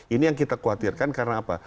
ini yang kita khawatirkan karena apa